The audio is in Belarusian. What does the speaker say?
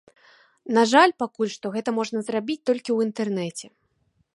На жаль пакуль што гэта можна зрабіць толькі ў інтэрнэце.